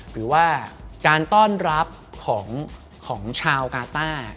หรือว่าการต้อนรับของชาวกาต้า